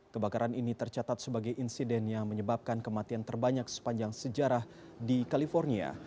kebakaran ini tercatat sebagai insiden yang menyebabkan kematian terbanyak sepanjang sejarah di california